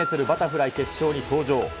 バタフライ決勝に登場。